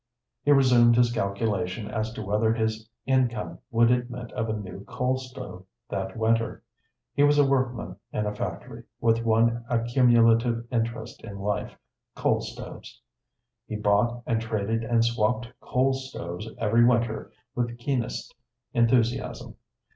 He resumed his calculation as to whether his income would admit of a new coal stove that winter. He was a workman in a factory, with one accumulative interest in life coal stoves. He bought and traded and swapped coal stoves every winter with keenest enthusiasm.